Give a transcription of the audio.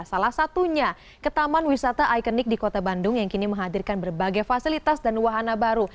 salah satunya ke taman wisata ikonik di kota bandung yang kini menghadirkan berbagai fasilitas dan wahana baru